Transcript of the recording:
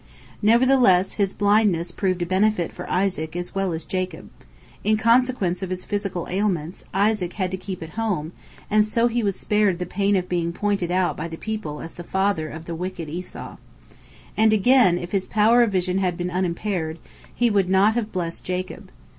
Nevertheless his blindness proved a benefit for Isaac as well as Jacob. In consequence of his physical ailments, Isaac had to keep at home, and so he was spared the pain of being pointed out by the people as the father of the wicked Esau. And, again, if his power of vision had been unimpaired, he would not have blessed Jacob.